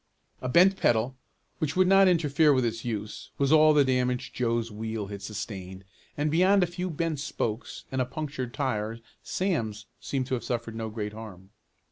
A bent pedal, which would not interfere with its use, was all the damage Joe's wheel had sustained and beyond a few bent spokes and a punctured tire Sam's seemed to have suffered no great harm.